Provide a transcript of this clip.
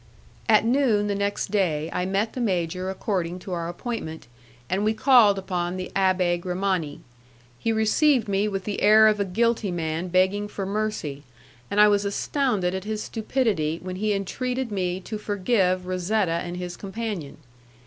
At noon the next day I met the major according to our appointment, and we called upon the Abbé Grimani. He received me with the air of a guilty man begging for mercy, and I was astounded at his stupidity when he entreated me to forgive Razetta and his companion.